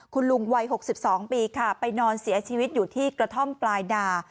คุณลุงวัย๖๒ปีค่ะไปนอนเสียชีวิตอยู่ที่กระท่อมปลายนา